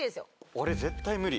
俺絶対無理。